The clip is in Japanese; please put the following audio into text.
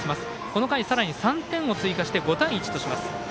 この回、さらに３点を追加して５対１とします。